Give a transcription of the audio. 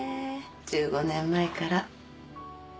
１５年前から。